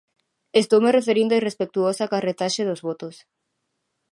Estoume referindo á irrespectuosa carretaxe dos votos.